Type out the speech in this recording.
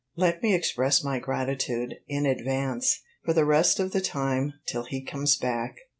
Let me express my gratitude, in advance, for the rest of the time, till he comes back.